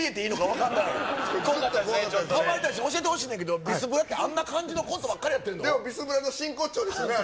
かまいたち、教えてほしいんですけど、ビスブラってあんな感じのコントばっかりやってるの？